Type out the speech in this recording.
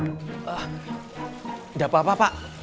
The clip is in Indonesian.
udah apa apa pak